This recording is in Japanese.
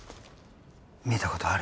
見たことある？